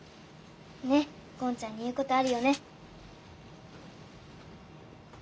ねっゴンちゃんに言うことあるよね。